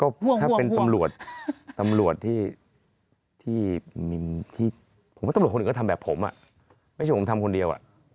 ถ้าเป็นตำรวจตำรวจที่ผมว่าตำรวจคนอื่นก็ทำแบบผมไม่ใช่ผมทำคนเดียว